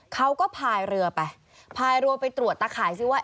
พายเรือไปพายเรือไปตรวจตะข่ายซิว่า